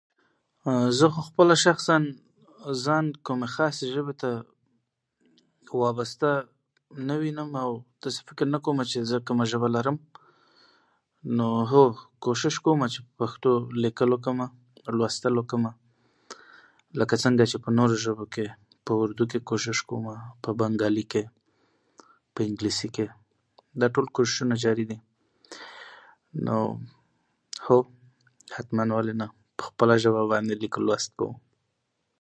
زه خو خپله شخصاً، زه ځان کوم خاصې ژبې ته وابسته نه وینم، او داسې فکر نه کوم چې زه کومه ژبه لرم. نو هو، کوشش کومه چې پښتو لیکل وکړمه، لوستل وکړمه. لکه څنګه چې په نورو ژبو کې، په اردو کې کوشش کوم، په بنګالي کې، په انګلیسي کې، دا ټول کوششونه جاري دي. نو هو، حتمي ولې نه، خپله ژبه باندې لیک او لوست کوم.